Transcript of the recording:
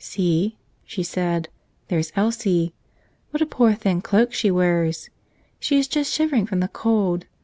"See," she said, "there's Elsie. What a poor, thin cloak she wears! She is just shivering from the cold.